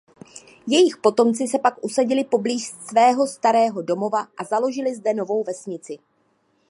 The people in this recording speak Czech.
Jejich potomci se pak usadili poblíž svého starého domova a založili zde novou vesnici.